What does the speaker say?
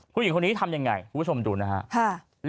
ผู้หญิงคนนี้ทำยังไงคุณผู้ชมดูนะฮะ